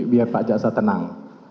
biar pak jaksa tenang